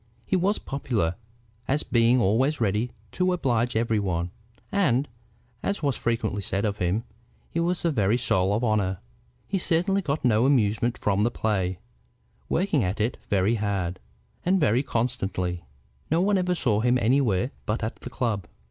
He was popular, as being always ready to oblige every one, and, as was frequently said of him, was the very soul of honor. He certainly got no amusement from the play, working at it very hard, and very constantly. No one ever saw him anywhere but at the club.